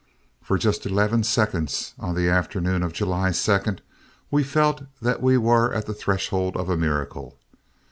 For just eleven seconds on the afternoon of July 2 we felt that we were at the threshold of a miracle.